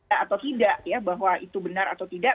atau tidak ya bahwa itu benar atau tidak